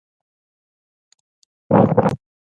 قمرۍ له اسمانه څخه په ډېرې چټکۍ سره ونې ته راښکته شوه.